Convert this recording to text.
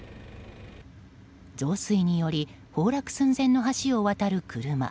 増水により崩落寸前の橋を渡る車。